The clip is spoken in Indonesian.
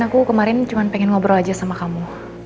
aku kemarin cuma pengen ngobrol aja sama kamu